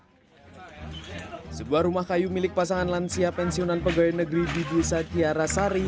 hai sebuah rumah kayu milik pasangan lansia pensiunan pegawai negeri di desa tiara sari